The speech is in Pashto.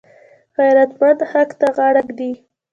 غیرتمند حق ته غاړه ږدي